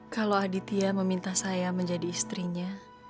kalau aditya meminta saya menjadi istrinya